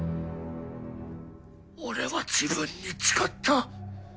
俺は自分に誓った。